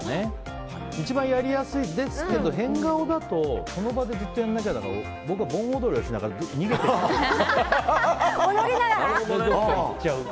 一番やりやすいですけど変顔だとその場でずっとやらなきゃだから僕はずっと盆踊りをしながら踊りながら？